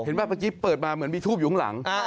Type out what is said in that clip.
เมื่อกี้เปิดมาเหมือนมีทูบอยู่ข้างหลัง